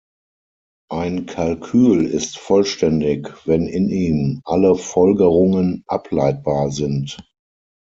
Ein Kalkül ist vollständig, wenn in ihm "alle" Folgerungen ableitbar sind.